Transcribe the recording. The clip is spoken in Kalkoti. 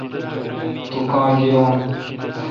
تو کاں گیرون۔